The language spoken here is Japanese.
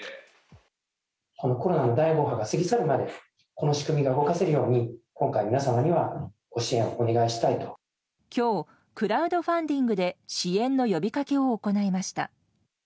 このコロナの第５波が過ぎ去るまで、この仕組みが動かせるように、今回、きょう、クラウドファンディングで支援の呼びかけを行いました。